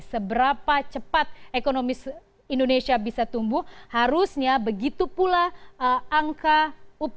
seberapa cepat ekonomi indonesia bisa tumbuh harusnya begitu pula angka